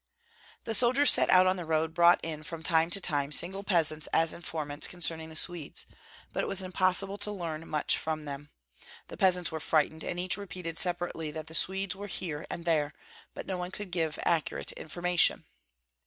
The soldiers sent out on the road brought in from time to time single peasants as informants concerning the Swedes; but it was impossible to learn much from them. The peasants were frightened, and each repeated separately that the Swedes were here and there, but no one could give accurate information.